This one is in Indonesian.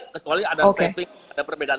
kecuali ada stripping ada perbedaan